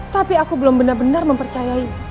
tapi aku belum benar benar mempercayai